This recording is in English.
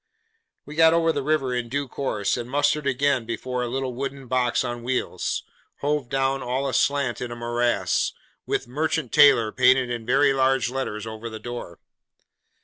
We got over the river in due course, and mustered again before a little wooden box on wheels, hove down all aslant in a morass, with 'MERCHANT TAILOR' painted in very large letters over the door.